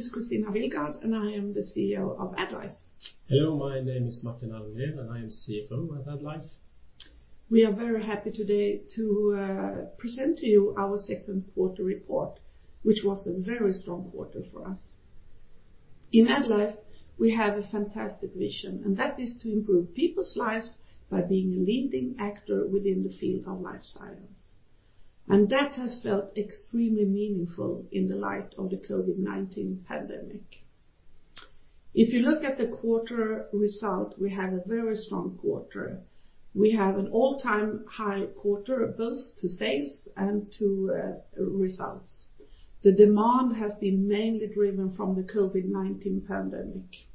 My name is Kristina Willgård, and I am the CEO of AddLife. Hello, my name is Martin Almgren, and I am CFO at AddLife. We are very happy today to present to you our second quarter report, which was a very strong quarter for us. In AddLife, we have a fantastic vision and that is to improve people's lives by being a leading actor within the field of life science. That has felt extremely meaningful in light of the COVID-19 pandemic. If you look at the quarter results, we had a very strong quarter. We have an all-time high quarter both to sales and to results. The demand has been mainly driven from the COVID-19 pandemic.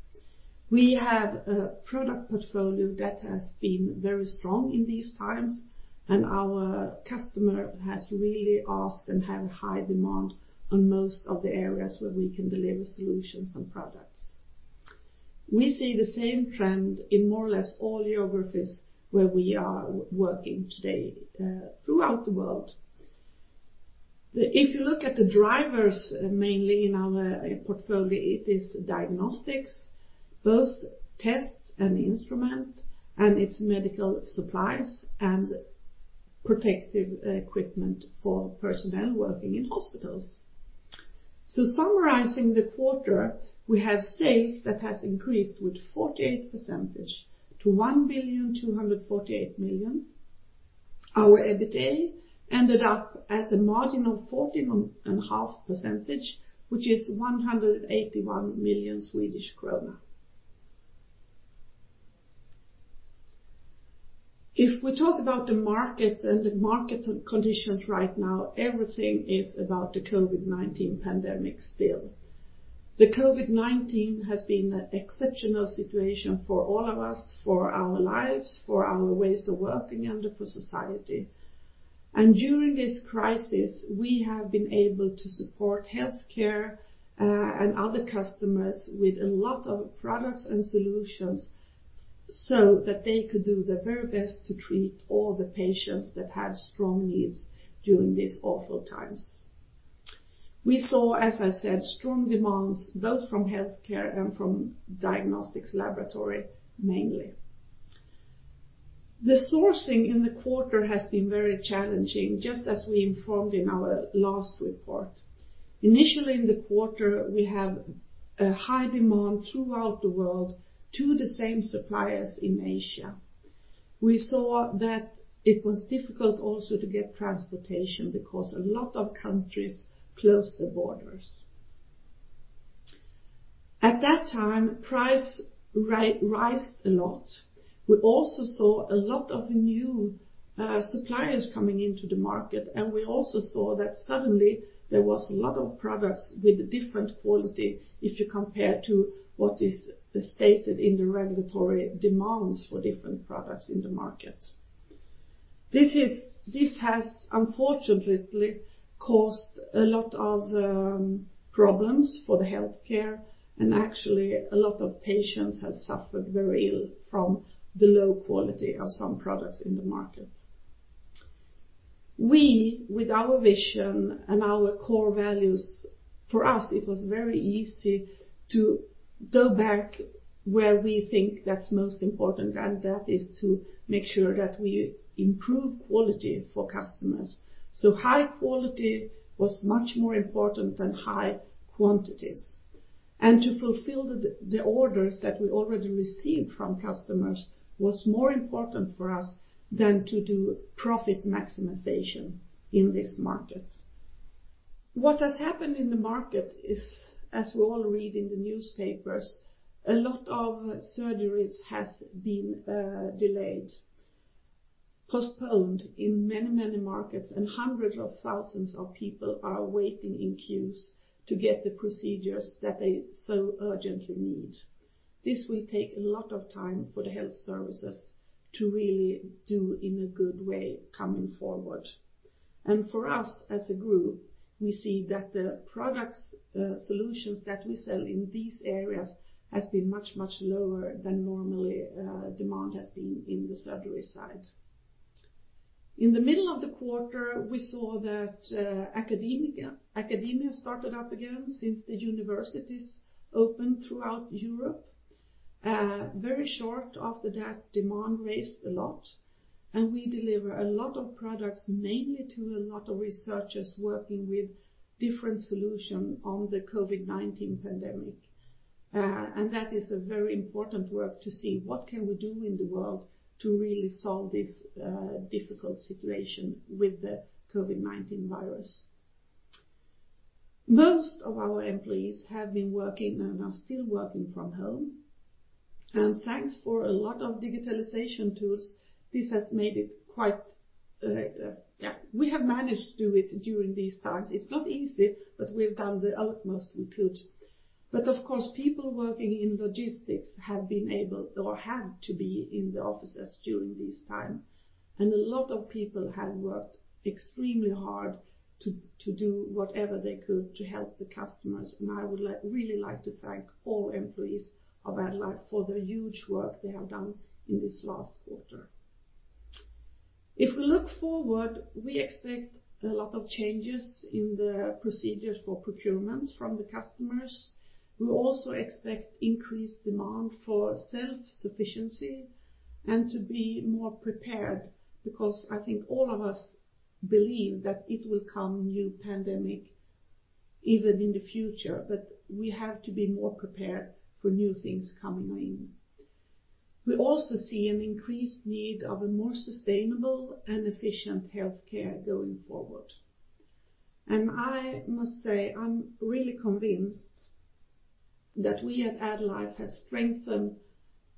We have a product portfolio that has been very strong in these times, and our customers have really asked and have high demand on most of the areas where we can deliver solutions and products. We see the same trend in more or less all geographies where we are working today throughout the world. If you look at the drivers, mainly in our portfolio, it is diagnostics, both tests and instruments, and it's medical supplies and protective equipment for personnel working in hospitals. Summarizing the quarter, we have sales that have increased by 48% to 1,248 million. Our EBITA ended up at a margin of 40.5%, which is SEK 181 million. If we talk about the market and the market conditions right now, everything is about the COVID-19 pandemic still. The COVID-19 has been an exceptional situation for all of us, for our lives, for our ways of working, and for society. During this crisis, we have been able to support healthcare and other customers with a lot of products and solutions so that they could do their very best to treat all the patients that have strong needs during these awful times. We saw, as I said, strong demands both from healthcare and from diagnostics laboratory mainly. The sourcing in the quarter has been very challenging, just as we informed in our last report. Initially, in the quarter, we had a high demand throughout the world to the same suppliers in Asia. We saw that it was difficult also to get transportation because a lot of countries closed their borders. At that time, price rised a lot. We also saw a lot of new suppliers coming into the market, and we also saw that suddenly there were a lot of products with different quality if you compare to what is stated in the regulatory demands for different products in the market. This has unfortunately caused a lot of problems for healthcare, and actually, a lot of patients have suffered very ill from the low quality of some products in the market. We, with our vision and our core values, for us, it was very easy to go back where we think that's most important, and that is to make sure that we improve quality for customers. High quality was much more important than high quantities. To fulfill the orders that we already received from customers was more important for us than to do profit maximization in this market. What has happened in the market is, as we all read in the newspapers, a lot of surgeries have been delayed, postponed in many, many markets, and hundreds of thousands of people are waiting in queues to get the procedures that they so urgently need. This will take a lot of time for the health services to really do in a good way coming forward. For us as a group, we see that the product solutions that we sell in these areas have been much, much lower than normal demand has been on the surgery side. In the middle of the quarter, we saw that academia started up again since the universities opened throughout Europe. Very shortly after that, demand raised a lot, and we delivered a lot of products, mainly to a lot of researchers working with different solutions on the COVID-19 pandemic. That is a very important work to see what can we do in the world to really solve this difficult situation with the COVID-19 virus. Most of our employees have been working and are still working from home. Thanks to a lot of digitalization tools, we have managed to do it during these times. It's not easy, but we've done the utmost we could. Of course, people working in logistics have been able or have to be in the offices during this time, and a lot of people have worked extremely hard to do whatever they could to help the customers. I would really like to thank all employees of AddLife for the huge work they have done in this last quarter. If we look forward, we expect a lot of changes in the procedures for procurements from the customers. We also expect increased demand for self-sufficiency and to be more prepared, because I think all of us believe that it will come new pandemic even in the future, but we have to be more prepared for new things coming in. We also see an increased need of a more sustainable and efficient healthcare going forward. I must say, I'm really convinced that we at AddLife have strengthened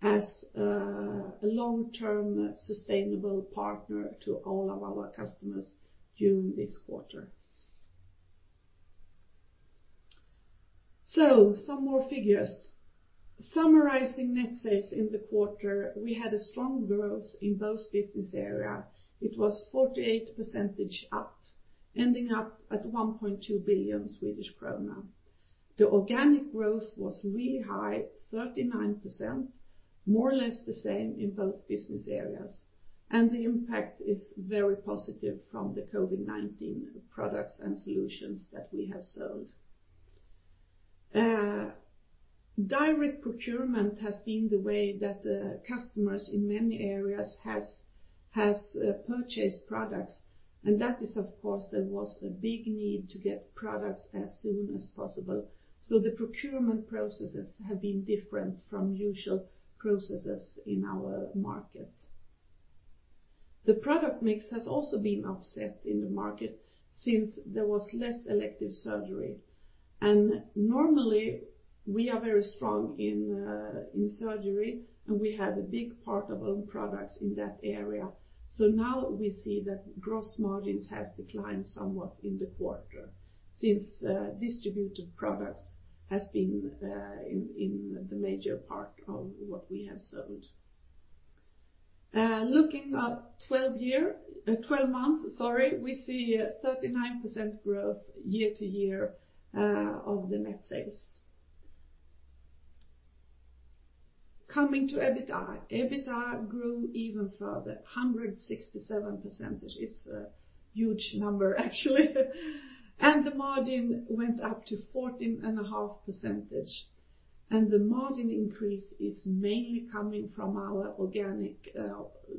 as a long-term sustainable partner to all of our customers during this quarter. Some more figures. Summarizing net sales in the quarter, we had a strong growth in both business area. It was 48% up, ending up at 1.2 billion Swedish krona. The organic growth was really high, 39%, more or less the same in both business areas, and the impact is very positive from the COVID-19 products and solutions that we have sold. Direct procurement has been the way that the customers in many areas has purchased products, and that is, of course, there was a big need to get products as soon as possible. The procurement processes have been different from usual processes in our market. The product mix has also been upset in the market since there was less elective surgery. Normally, we are very strong in surgery, and we have a big part of own products in that area. Now we see that gross margins has declined somewhat in the quarter since distributed products has been in the major part of what we have sold. Looking up 12 months, we see 39% growth year-to-year of the net sales. Coming to EBITA. EBITA grew even further, 167%. It's a huge number, actually. The margin went up to 14.5%, and the margin increase is mainly coming from our organic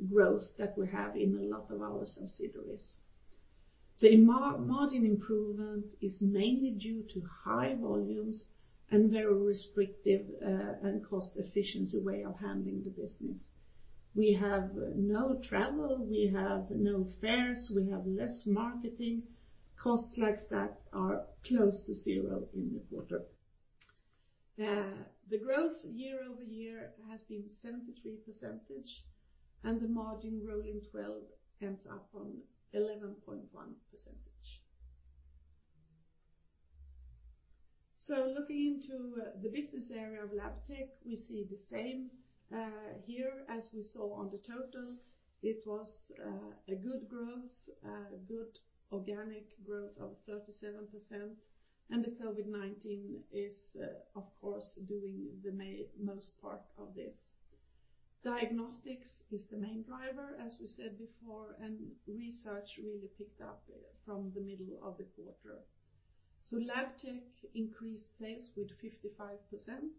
growth that we have in a lot of our subsidiaries. The margin improvement is mainly due to high volumes and very restrictive and cost efficiency way of handling the business. We have no travel, we have no fairs, we have less marketing. Costs like that are close to zero in the quarter. The growth year-over-year has been 73%. The margin rolling 12 ends up on 11.1%. Looking into the business area of Labtech, we see the same here as we saw on the total. It was a good growth, good organic growth of 37%. The COVID-19 is, of course, doing the most part of this. Diagnostics is the main driver, as we said before. Research really picked up from the middle of the quarter. Labtech increased sales with 55%.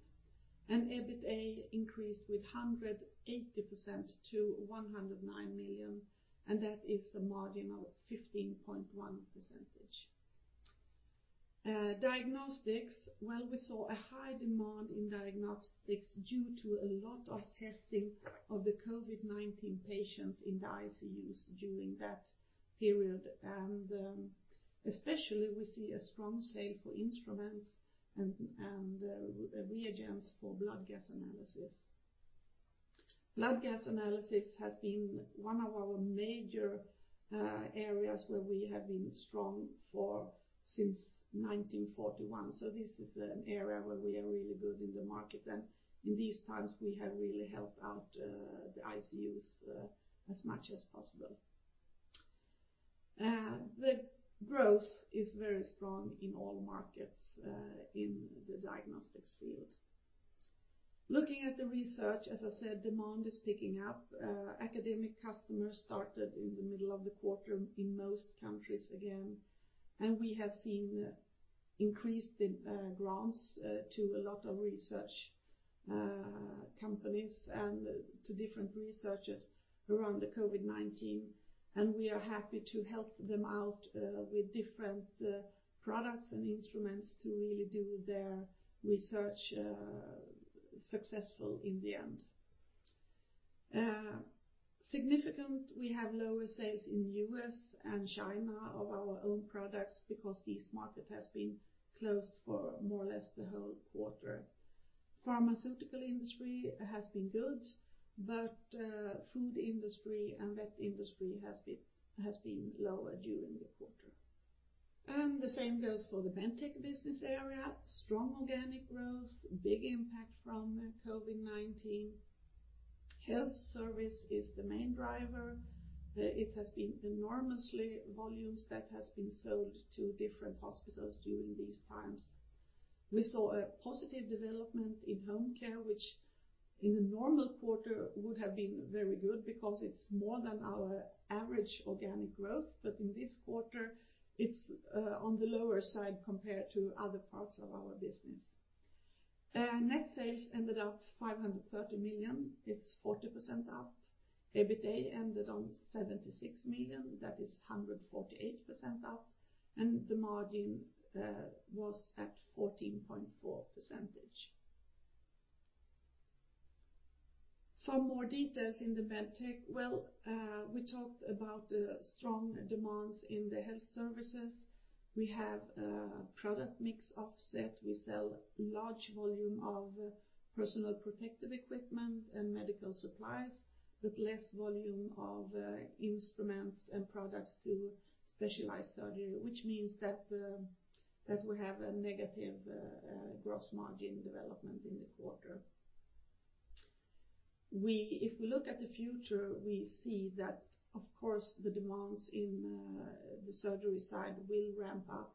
EBITA increased with 180% to 109 million. That is a margin of 15.1%. Diagnostics, well, we saw a high demand in diagnostics due to a lot of testing of the COVID-19 patients in the ICUs during that period. Especially, we see a strong sale for instruments and reagents for blood gas analysis. Blood gas analysis has been one of our major areas where we have been strong since 1941. This is an area where we are really good in the market, and in these times, we have really helped out the ICUs as much as possible. The growth is very strong in all markets in the diagnostics field. Looking at the research, as I said, demand is picking up. Academic customers started in the middle of the quarter in most countries again, and we have seen increase in grants to a lot of research companies and to different researchers around the COVID-19, and we are happy to help them out with different products and instruments to really do their research successful in the end. Significant, we have lower sales in U.S. and China of our own products because this market has been closed for more or less the whole quarter. Pharmaceutical industry has been good, but food industry and vet industry has been lower during the quarter. The same goes for the BenTech business area. Strong organic growth, big impact from COVID-19. Health service is the main driver. It has been enormously volumes that has been sold to different hospitals during these times. We saw a positive development in home care, which in a normal quarter would have been very good because it's more than our average organic growth. But in this quarter, it's on the lower side compared to other parts of our business. Net sales ended up 530 million. It's 40% up. EBITA ended on 76 million. That is 148% up, and the margin was at 14.4%. Some more details in the Medtech. We talked about the strong demands in the health services. We have a product mix offset. We sell large volume of personal protective equipment and medical supplies, but less volume of instruments and products to specialized surgery, which means that we have a negative gross margin development in the quarter. If we look at the future, we see that, of course, the demands in the surgery side will ramp up.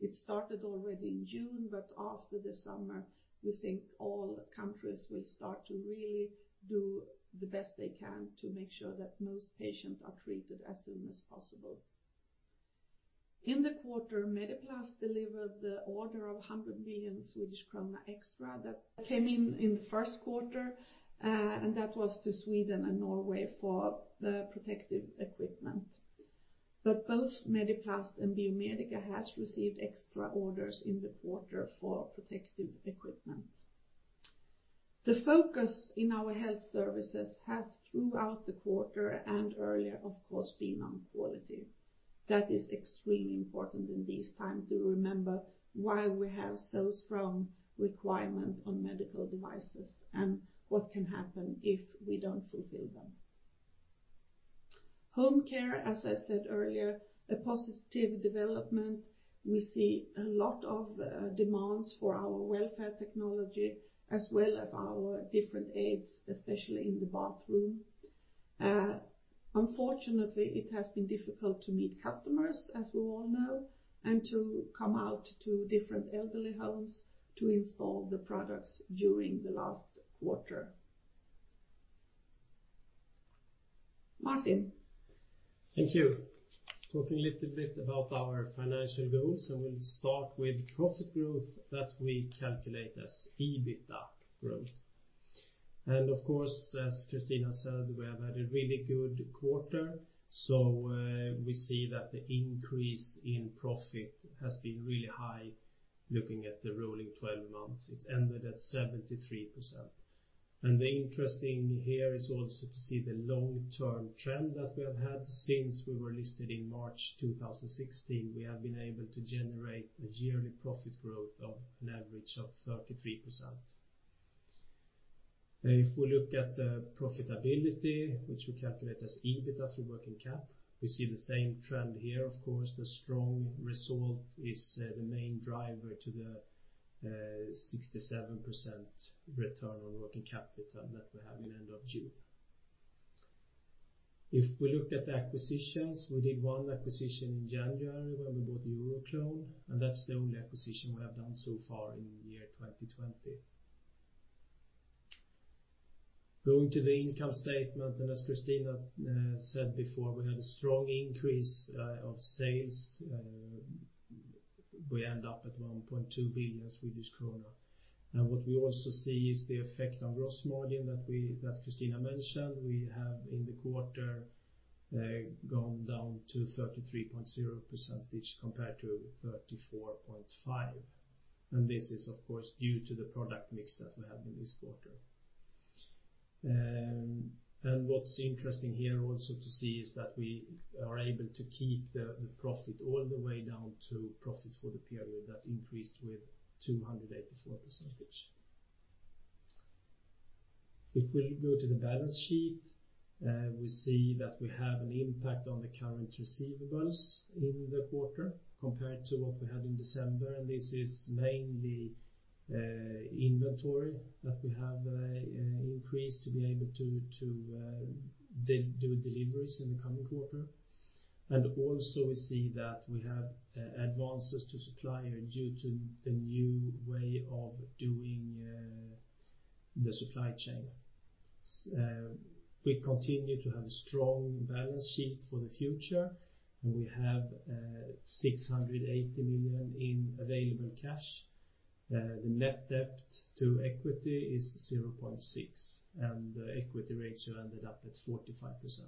It started already in June. After the summer, we think all countries will start to really do the best they can to make sure that most patients are treated as soon as possible. In the quarter, Mediplast delivered the order of 100 million Swedish krona extra that came in in the first quarter. That was to Sweden and Norway for the protective equipment. Both Mediplast and Biomedica has received extra orders in the quarter for protective equipment. The focus in our health services has, throughout the quarter and earlier, of course, been on quality. That is extremely important in this time to remember why we have so strong requirement on medical devices and what can happen if we don't fulfill them. Home care, as I said earlier, a positive development. We see a lot of demands for our welfare technology as well as our different aids, especially in the bathroom. Unfortunately, it has been difficult to meet customers, as we all know, and to come out to different elderly homes to install the products during the last quarter. Martin. Thank you. Talking a little bit about our financial goals, we'll start with profit growth that we calculate as EBITA growth. Of course, as Kristina Willgård said, we have had a really good quarter. We see that the increase in profit has been really high looking at the rolling 12 months. It ended at 73%. Interesting here is also to see the long-term trend that we have had. Since we were listed in March 2016, we have been able to generate a yearly profit growth of an average of 33%. We look at the profitability, which we calculate as EBITA through working cap, we see the same trend here, of course. The strong result is the main driver to the 67% return on working capital that we have in end of June. If we look at the acquisitions, we did one acquisition in January where we bought Euroclone, and that's the only acquisition we have done so far in year 2020. Going to the income statement, as Kristina said before, we had a strong increase of sales. We end up at 1.2 billion Swedish kronor. What we also see is the effect on gross margin that Kristina mentioned. We have in the quarter, gone down to 33.0% compared to 34.5%. This is, of course, due to the product mix that we have in this quarter. What's interesting here also to see is that we are able to keep the profit all the way down to profit for the period that increased with 284%. If we go to the balance sheet, we see that we have an impact on the current receivables in the quarter compared to what we had in December. This is mainly inventory that we have increased to be able to do deliveries in the coming quarter. Also we see that we have advances to supplier due to the new way of doing the supply chain. We continue to have a strong balance sheet for the future, and we have 680 million in available cash. The net debt to equity is 0.6, and the equity ratio ended up at 45%.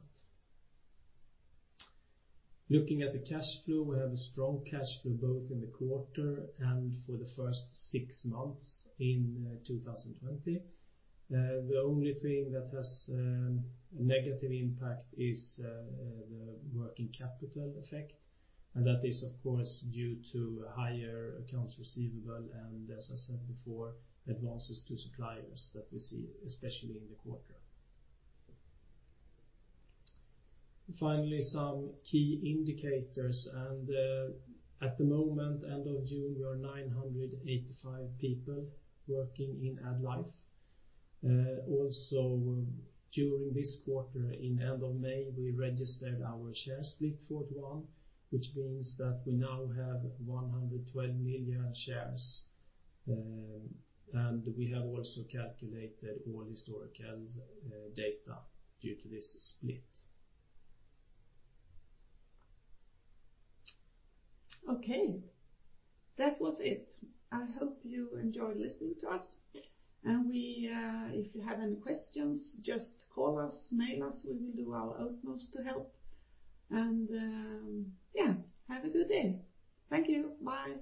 Looking at the cash flow, we have a strong cash flow both in the quarter and for the first six months in 2020. The only thing that has a negative impact is the working capital effect, and that is, of course, due to higher accounts receivable and, as I said before, advances to suppliers that we see, especially in the quarter. Finally, some key indicators. At the moment, end of June, we are 985 people working in AddLife. Also during this quarter, in end of May, we registered our share split 4-for-1, which means that we now have 112 million shares. We have also calculated all historical data due to this split. Okay. That was it. I hope you enjoyed listening to us. If you have any questions, just call us, mail us. We will do our utmost to help. Have a good day. Thank you. Bye.